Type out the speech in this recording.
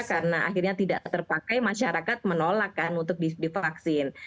karena akhirnya tidak terpakai masyarakat menolakkan untuk divaksin